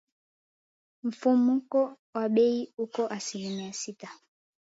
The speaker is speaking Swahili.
Mfumuko wa bei uko asilimia sita